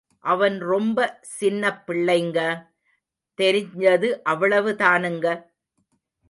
அவன் ரொம்ப சின்னப் பிள்ளைங்க, தெரிஞ்சது அவ்வளவுதானுங்க.